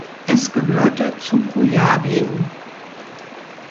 Es gehörte zu Kujawien.